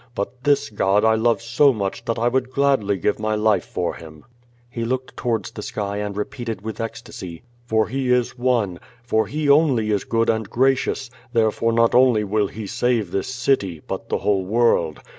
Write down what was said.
But this God I love so much that I would gladly give my life for Him." He looked towards the sky and repeated with ecstasy: "For He is one; for He only is good and gracious, there fore not only will He save this city, but the whole world.